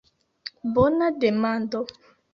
Bona demando.